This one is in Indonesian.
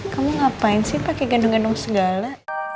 kamu ngapain sih pake gendong gendong segala